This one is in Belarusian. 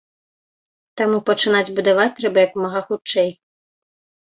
Таму, пачынаць будаваць трэба як мага хутчэй.